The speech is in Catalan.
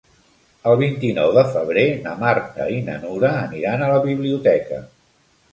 El vint-i-nou de febrer na Marta i na Nura aniran a la biblioteca.